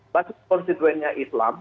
bahasa konstituennya islam